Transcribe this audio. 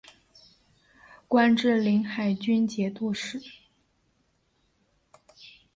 官至临海军节度使。